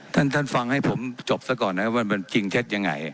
ท่านท่านฟังให้ผมจบซะก่อนนะครับว่ามันจริงเท็จยังไง